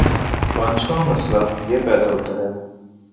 پانچواں مسئلہ یہ پیدا ہوتا ہے